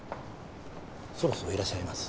そろそろいらっしゃいます。